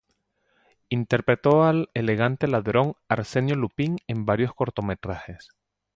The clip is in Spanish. Interpretó al elegante ladrón Arsenio Lupin en varios cortometrajes.